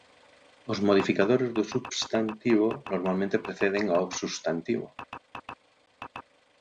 Os modificadores do substantivo normalmente preceden ao substantivo.